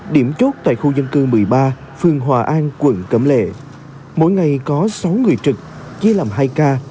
điểm chốt tại khu dân cư một mươi ba phường hòa an quận cẩm lệ mỗi ngày có sáu người trực chia làm hai ca